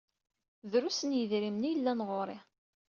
Drus n yedrimen i yellan ɣur-i.